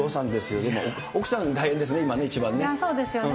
でも奥さん大変ですね、今ね、一番ね。